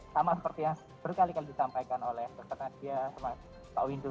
sama seperti yang berkali kali disampaikan oleh pak windo